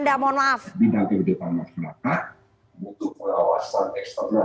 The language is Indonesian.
butuh kewawasan eksternal dari keluarga